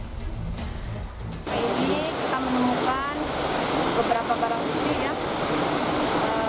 hari ini kita menemukan beberapa barang bukti ya